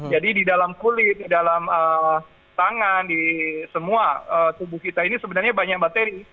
jadi di dalam kulit di dalam tangan di semua tubuh kita ini sebenarnya banyak bakteri